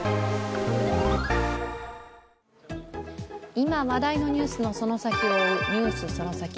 今話題のニュースのその先を追う「ＮＥＷＳそのサキ！」。